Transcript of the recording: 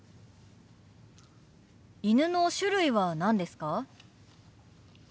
犬の種類は何ですか？